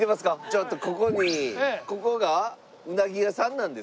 ちょっとここにここがうなぎ屋さんなんですって。